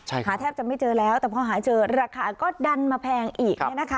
หาแทบจะไม่เจอแล้วแต่พอหาเจอราคาก็ดันมาแพงอีก